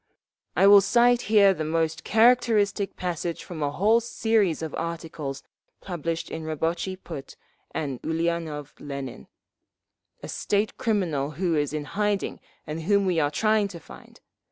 "I will cite here the most characteristic passage from a whole series of articles published in Rabotchi Put by Ulianov Lenin, a state criminal who is in hiding and whom we are trying to find….